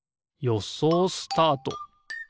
よそうスタート！